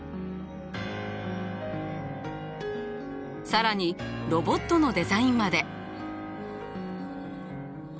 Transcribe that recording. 更にロボットのデザインまで！